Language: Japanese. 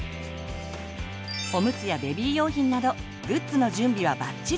おむつやベビー用品などグッズの準備はバッチリ。